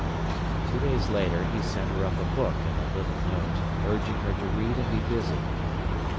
Two days later he sent her up a book and a little note, urging her to read and be busy.